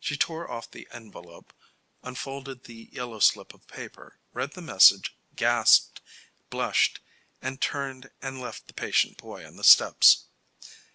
She tore off the envelope, unfolded the yellow slip of paper, read the message, gasped, blushed and turned and left the patient boy on the steps.